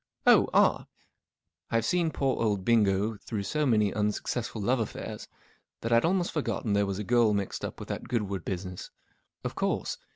44 Oh, ah !" I've seen poor old Bingo through so many unsuccessful love affairs that I'd almost forgotten there was a girl mixed up with that Goodwood business. Of course